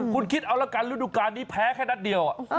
คุณคิดเอาละกันฤดูการนี้แพ้แค่นัดเดียว